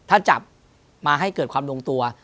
ถ้าจับมาให้เกิดความลงตัว